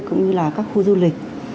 cũng như là các khu du lịch